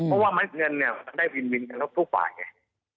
เพราะว่าเงินเนี่ยมันได้วินแล้วทุกป่ายเนี่ย